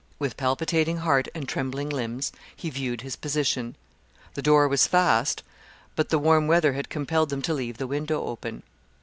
With palpitating heart and trembling limbs he viewed his position. The door was fast, but the warm weather had compelled them to leave the window open.